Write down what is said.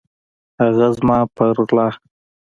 هغه زه په غلا